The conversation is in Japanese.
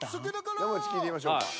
山内聞いてみましょうか。